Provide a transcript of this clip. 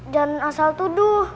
jangan asal tuduh